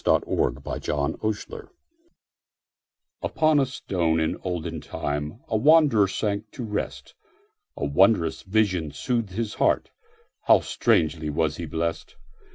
Isaacs Pillow and Stone UPON a stone in olden timeA wanderer sank to rest.A wondrous vision soothed his heartHow strangely was he blessed!